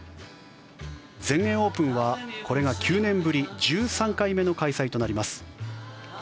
全英オープンはこれが９年ぶり１３回目の開催となります。